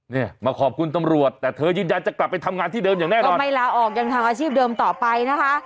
เนี่ยมาขอบคุณตำรวจแต่เธอยืนยันจะกลับไปทำงานที่เดิมอย่างแน่นอนก็ไม่ลาออกยังทำอาชีพเดิมต่อไปนะคะ